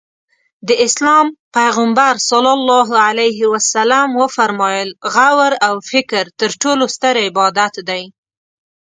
د اسلام پیغمبر ص وفرمایل غور او فکر تر ټولو ستر عبادت دی.